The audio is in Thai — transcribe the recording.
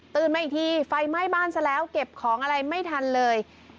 มาอีกทีไฟไหม้บ้านซะแล้วเก็บของอะไรไม่ทันเลย